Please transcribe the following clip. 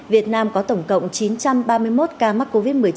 việt nam có tổng cộng chín trăm ba mươi một ca mắc covid một mươi chín